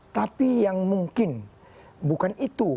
tapi yang mungkin bukan itu